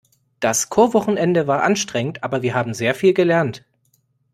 Das Chorwochenende war anstrengend, aber wir haben sehr viel gelernt.